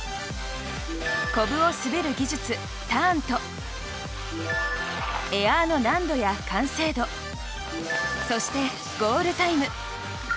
コブを滑る技術、ターンとエアの難度や完成度そしてゴールタイム。